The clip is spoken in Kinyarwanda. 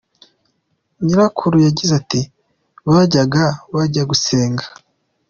Nyirakuru yagize ati “Bajyaga bajya gusenga.